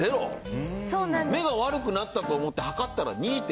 目が悪くなったと思って測ったら２．０。